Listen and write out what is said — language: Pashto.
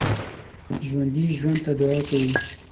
ژوندي ژوند ته دعا کوي